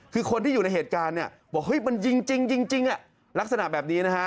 คือคนที่อยู่ในเหตุการณ์เนี่ยบอกเฮ้ยมันยิงจริงลักษณะแบบนี้นะฮะ